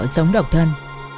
sống độc thân